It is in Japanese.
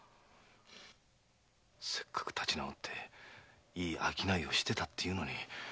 せっかく立ち直っていい商いをしてたっていうのに。